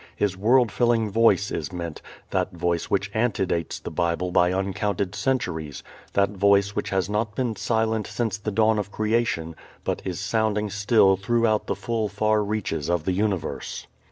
His world filling Voice is meant, that Voice which antedates the Bible by uncounted centuries, that Voice which has not been silent since the dawn of creation, but is sounding still throughout the full far reaches of the universe.